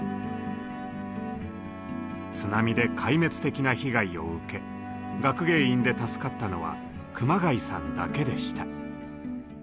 津波で壊滅的な被害を受け学芸員で助かったのは熊谷さんだけでした。